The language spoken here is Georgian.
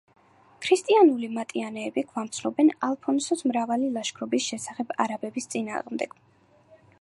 ქრისტიანული მატიანეები გვამცნობენ ალფონსოს მრავალი ლაშქრობების შესახებ არაბების წინააღმდეგ.